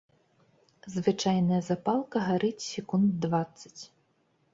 Звычайная запалка гарыць секунд дваццаць.